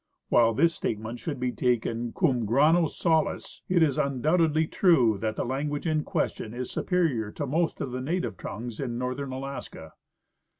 While this statement should be taken cam grano sails, it is undoubtedly true that the lan guage in question is superior to most of the native tongues in northern Alaska.